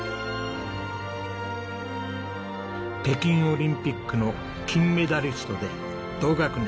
北京オリンピックの金メダリストで同学年